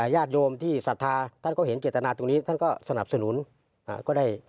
ญาติโยมที่ศรัทธาท่านก็เห็นเจตนาตรงนี้ท่านก็สนับสนุนก็ได้